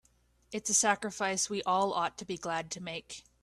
It's a sacrifice we all ought to be glad to make.